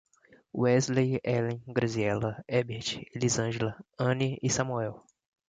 Wesley, Ellen, Graziela, Hebert, Elisângela, Ane e Samoel